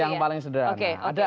yang paling sederhana